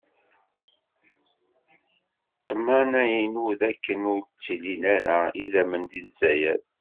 Ṭṭmna-inu d akken ur d-ttilin ara idammen di Zzayer.